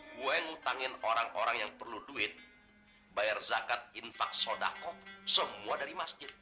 gue ngutangin orang orang yang perlu duit bayar zakat infak sodako semua dari masjid